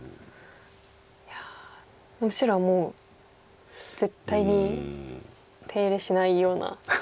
いや白はもう絶対に手入れしないような。